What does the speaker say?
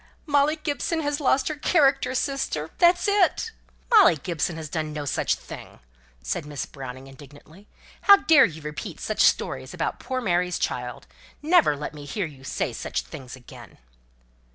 "Molly Gibson has lost her character, sister. That's it." "Molly Gibson has done no such thing!" said Miss Browning indignantly. "How dare you repeat such stories about poor Mary's child? Never let me hear you say such things again."